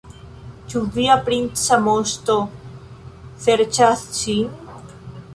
Ĉu via princa moŝto serĉos ŝin?